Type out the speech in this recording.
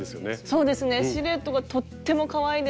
そうですねシルエットがとってもかわいいですね。